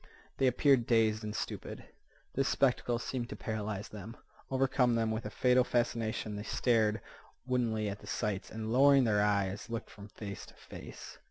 They appeared dazed and stupid. This spectacle seemed to paralyze them, overcome them with a fatal fascination. They stared woodenly at the sights, and, lowering their eyes, looked from face to face.